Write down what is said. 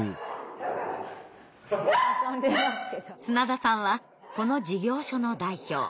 砂田さんはこの事業所の代表。